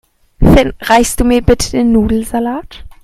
Finn, reichst du mir bitte den Nudelsalat?